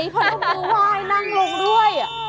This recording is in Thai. มือไหวนั่งลงด้วย